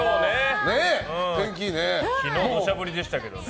昨日、土砂降りでしたけどね。